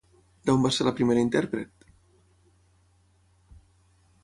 D'on va ser la primera intèrpret?